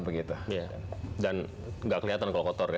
dan tidak kelihatan kalau kotor ya